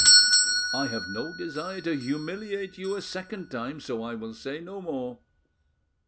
I have no desire to humiliate you a second time, so I will say no more.